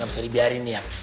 bisa dibiarin nih ya